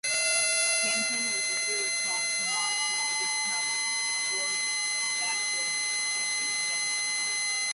Pankin was later recalled to Moscow to become Gorbachev's Foreign Minister.